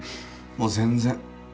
もう全然。